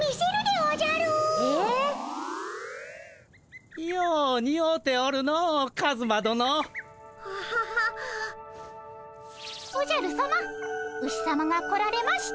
おじゃるさまウシさまが来られました。